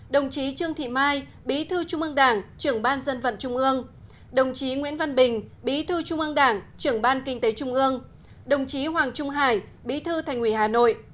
đồng chí hoàng trung hải bí thư thành ủy hà nội